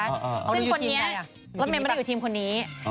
แล้วเมมไม่ได้อยู่ทีมคนนี้